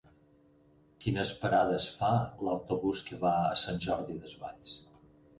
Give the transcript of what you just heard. Quines parades fa l'autobús que va a Sant Jordi Desvalls?